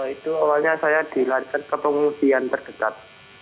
itu awalnya saya dilarikan ke pengungsian terdekat